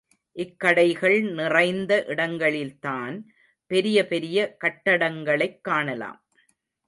இக்கடைகள் நிறைந்த இடங்களில்தான் பெரிய பெரிய கட்டடங்களைக் காணலாம்.